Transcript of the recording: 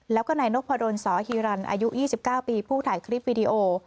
แล้วก็นายนพดลสอฮีรันอายุ๒๙ปีผู้ถ่ายคลิปวิดีโอ